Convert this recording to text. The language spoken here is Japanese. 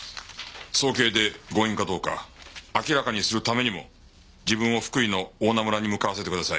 早計で強引かどうか明らかにするためにも自分を福井の大菜村に向かわせてください。